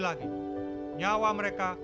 sangat sangat berharelles